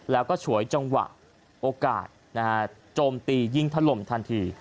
แล้วก็ฉวยจังหวะโอกาสโจมตียิงถล่มทันที